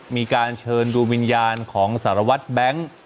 มีการเชิญดูวิญญาณของสารวัตรแบงค์